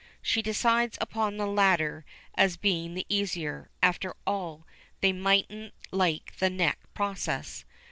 She decides upon the latter as being the easier; after all they mightn't like the neck process.